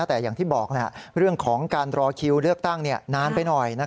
แต่อย่างที่บอกเรื่องของการรอคิวเลือกตั้งนานไปหน่อย